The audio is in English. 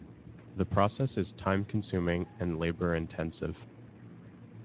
The process is time-consuming and labor-intensive.